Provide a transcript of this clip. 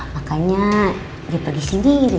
makanya dia pagi sendiri